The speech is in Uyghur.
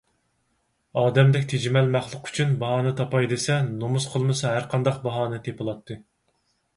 ئادەمدەك تىجىمەل مەخلۇق ئۈچۈن باھانە تاپاي دېسە، نومۇس قىلمىسا ھەرقانداق باھانە تېپىلاتتى.